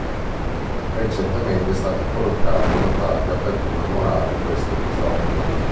Recentemente è stata collocata una targa per commemorare questo episodio.